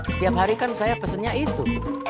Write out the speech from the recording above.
setiap hari kan saya pesannya itu